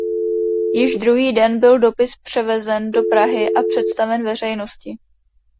Již druhý den byl dopis převezen do Prahy a představen veřejnosti.